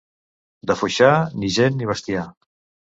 De Foixà, ni gent ni bestiar.